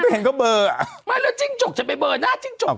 ก็ผมก็เห็นก็เบลอไม่แล้วจิ้งจกจะไปเบลอหน้าจิ้งจกทำไม